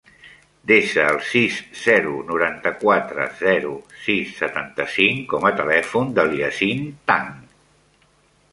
Desa el sis, zero, noranta-quatre, zero, sis, setanta-cinc com a telèfon del Yassine Tang.